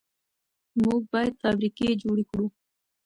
موږ باید فابریکې جوړې کړو.